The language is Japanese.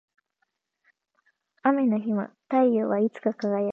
雨の日も太陽はいつか輝く